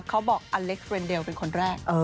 เขาบอกอเล็กซ์เรนเดลเป็นคนแรก